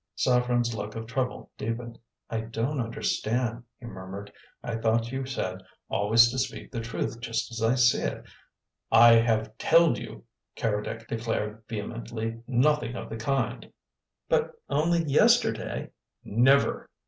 Saffren's look of trouble deepened. "I don't understand," he murmured. "I thought you said always to speak the truth just as I see it." "I have telled you," Keredec declared vehemently, "nothing of the kind!" "But only yesterday " "Never!"